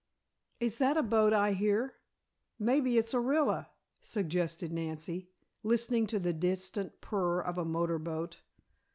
"Is that a boat I hear? Maybe it's Orilla," suggested Nancy, listening to the distant purr of a motor boat.